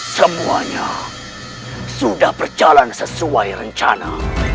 semuanya sudah berjalan sesuai rencana